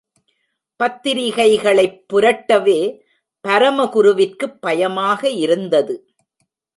பத்திரிகைகளைப் புரட்டவே பரமகுருவிற்கு பயமாக இருந்தது.